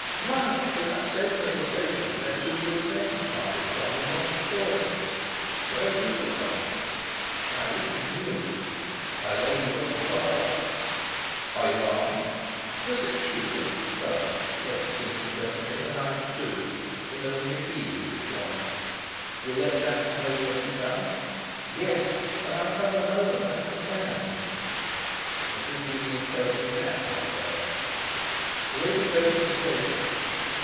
"Why, to that same little station where two good friends parted from me once before. Fritz, where's Rupert gone?" "I wish we knew." "I lay he won't be far off." "Are you armed?" "The six shooter. Well, yes, since you press me, a knife, too; but only if he uses one. You'll let Sapt know when you come?" "Yes; and I come the moment I can stand?" "As if you need tell me that, old fellow!" "Where do you go from the station?"